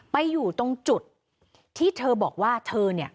ไปอยู่ตรงจุดที่เธอบอกว่าเธอเนี่ย